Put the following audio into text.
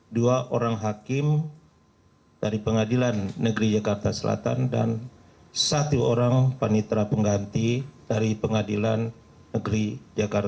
dua orang hakim dari pengadilan negeri jakarta selatan dan satu orang panitra pengganti dari pengadilan negeri jakarta